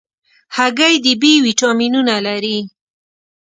هګۍ د B ویټامینونه لري.